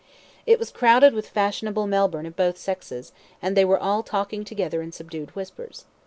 It was crowded with fashionable Melbourne of both sexes, and they were all talking together in subdued whispers.